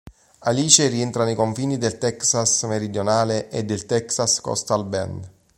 Alice rientra nei confini del Texas meridionale e del Texas Coastal Bend.